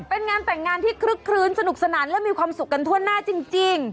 เป็นงานที่คลึ้นสนุกสนานแล้วมีความสุขกันทั่วหน้าจริง